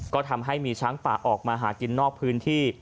ก็ทำให้มีช้างป่าออกมาหากินนอกพื้นที่